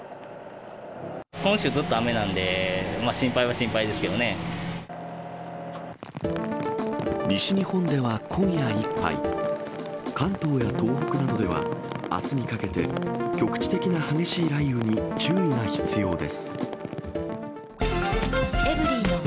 今週、ずっと雨なんで、西日本では今夜いっぱい、関東や東北などでは、あすにかけて、局地的な激しい雷雨に注意が必要です。